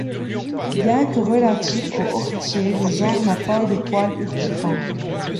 Bien que relatif aux orties, le genre n'a pas de poils urticants.